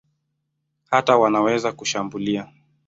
Hata wanaweza kushambulia.